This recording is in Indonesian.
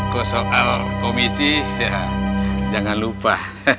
kalau soal komisi jangan lupa